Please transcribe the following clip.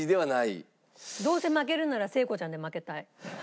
どうせ負けるなら聖子ちゃんで負けたい。